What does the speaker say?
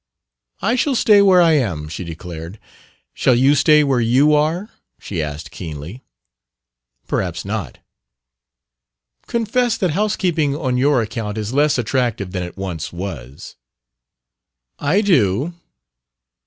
"I shall stay where I am," she declared. "Shall you stay where you are?" she asked keenly. "Perhaps not." "Confess that housekeeping on your own account is less attractive than it once was." "I do.